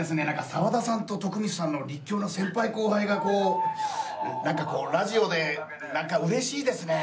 沢田さんと徳光さんの立教の先輩後輩がこうなんかこうラジオでなんか嬉しいですね。